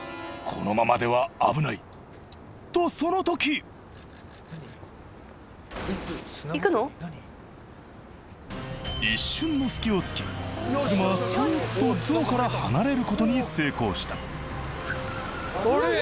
このままでは危ないとその時一瞬の隙をつき車はそーっと象から離れることに成功した